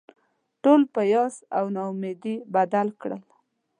ټول په یاس او نا امیدي بدل کړل.